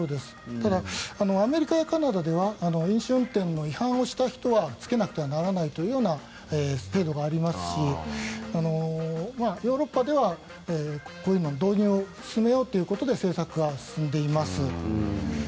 ただ、アメリカやカナダでは飲酒運転の違反をした人はつけなくてはならないというような制度がありますしヨーロッパではこういうのの導入を進めようということで政策が進んでいます。